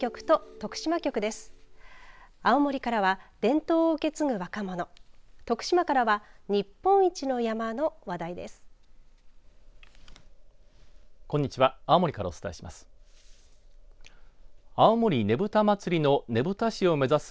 徳島からは日本一の山の話題です。